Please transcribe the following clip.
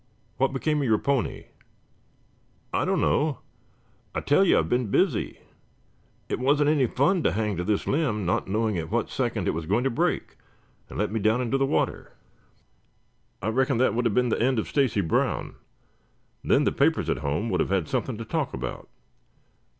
What became of your pony?" "I don't know. I tell you I've been busy. It wasn't any fun to hang to this limb, not knowing at what second it was going to break and let me down into the water. I reckon that would have been the end of Stacy Brown. Then the papers at home would have had something to talk about.